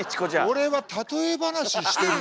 オレは例え話してるの。